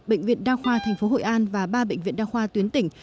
bệnh viện đa khoa tp hội an và ba bệnh viện đa khoa tuyến tỉnh